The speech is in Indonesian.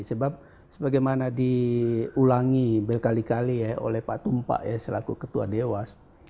sebab sebagaimana diulangi berkali kali ya oleh pak tumpak ya selaku ketua dewas